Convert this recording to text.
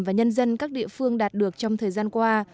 và nhân dân các địa phương đạt được trong thời gian qua